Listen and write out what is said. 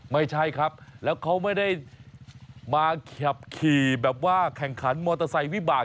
ไม่ใช่ครับแล้วเขาไม่ได้มาขับขี่แบบว่าแข่งขันมอเตอร์ไซค์วิบาก